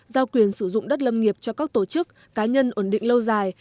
giao quyền sử dụng đất lâm nghiệp cho các tổ chức cá nhân ổn định lâu dài